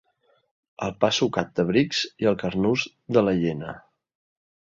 El pa sucat de Brics i el carnús de la Llena.